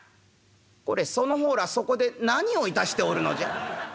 「これその方らそこで何を致しておるのじゃ？